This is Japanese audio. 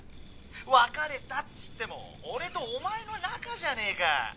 別れたっつっても俺とお前の仲じゃねえか。